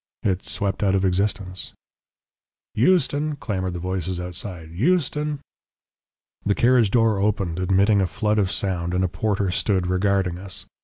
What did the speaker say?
It swept out of existence " "Euston!" clamoured the voices outside; "Euston!" The carriage door opened, admitting a flood of sound, and a porter stood regarding us.